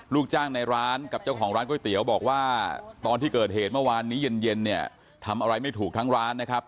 ลูกจ้างในร้านกับเจ้าของร้านก๋วยเตี๋ยวบอกว่าตอนที่เกิดเหตุเมื่อวานนี้เย็นเนี่ยทำอะไรไม่ถูกทั้งร้านนะครับ